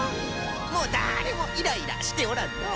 もうだれもイライラしておらんのう！